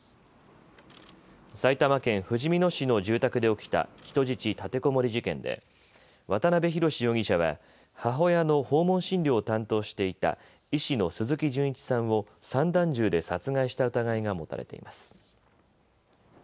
埼玉県ふじみ野市の住宅で起きた人質立てこもり事件で渡邊宏容疑者は母親の訪問診療を担当していた医師の鈴木純一さんを散弾銃で殺害した疑いが持たれています。